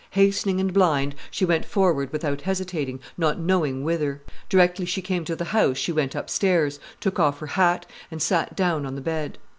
Hastening and blind, she went forward without hesitating, not knowing whither. Directly she came to the house she went upstairs, took off her hat, and sat down on the bed.